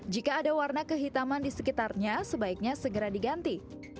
jika ada warna kehitaman di sekitarnya sebaiknya segera diganti